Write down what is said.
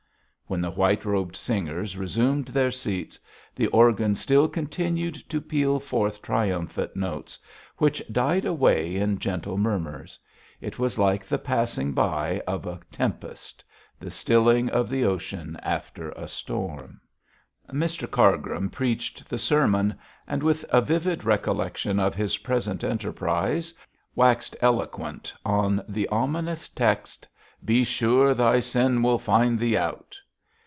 When the white robed singers resumed their seats, the organ still continued to peal forth triumphant notes, which died away in gentle murmurs. It was like the passing by of a tempest; the stilling of the ocean after a storm. Mr Cargrim preached the sermon, and, with a vivid recollection of his present enterprise, waxed eloquent on the ominous text, 'Be sure thy sin will find thee out.'